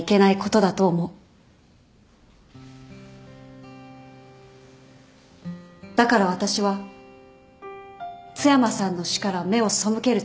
だから私は津山さんの死から目を背けるつもりはありません。